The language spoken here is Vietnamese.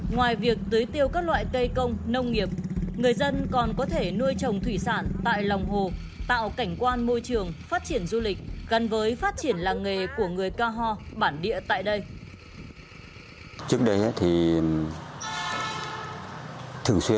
ngoài việc tưới tiêu các loại cây công nông nghiệp người dân còn có thể nuôi trồng thủy sản tại lòng hồ tạo cảnh quan môi trường phát triển du lịch gắn với phát triển làng nghề của người ca ho bản địa tại đây